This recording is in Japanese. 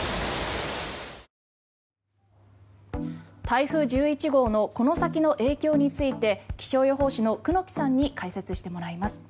台風１１号のこの先の影響について気象予報士の久能木さんに解説してもらいます。